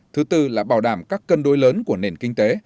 thứ tư là bảo đảm các cân đối lớn của nền kinh tế